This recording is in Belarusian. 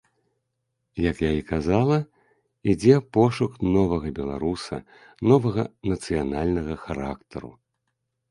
Як я і казала, ідзе пошук новага беларуса, новага нацыянальнага характару.